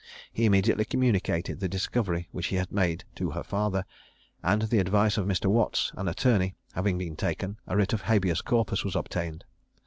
He immediately communicated the discovery which he had made to her father, and the advice of Mr. Watts, an attorney, having been taken, a writ of habeas corpus was obtained.